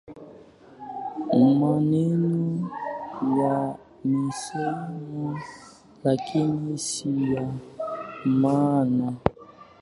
Maneno yamesemwa lakini si ya maana